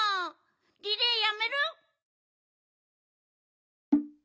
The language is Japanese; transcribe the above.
リレーやめる？